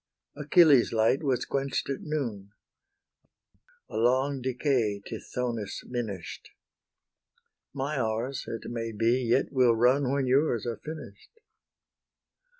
Achilles' light was quench'd at noon; A long decay Tithonus minish'd; My hours, it may be, yet will run When yours are finish'd.